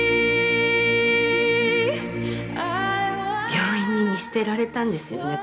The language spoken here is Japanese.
「病院に見捨てられたんですよね」